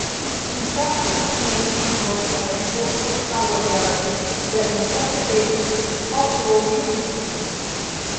His conception of nation was of a "social solidarity" that necessitated "cultural unity".